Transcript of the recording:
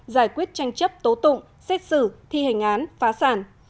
giải quyết tranh chấp tố tụng xét xử thi hành án phá sản